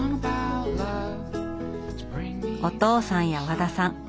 お父さんや和田さん